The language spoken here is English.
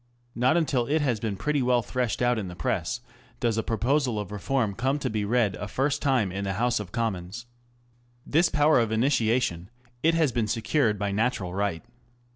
Not until it has been pretty well threshed out in the Press does a proposal of reform come to be read a first time in the House of Commons. This power of initiation it has secured by natural right.